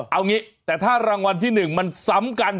เอางี้แต่ถ้ารางวัลที่๑มันซ้ำกัน